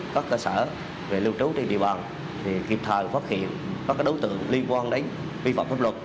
các cơ sở về lưu trú trên địa bàn kịp thời phát hiện các đối tượng liên quan đến vi phạm pháp luật